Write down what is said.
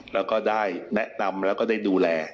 แล้วก็ได้แนะนำแล้วก็ได้ดูแล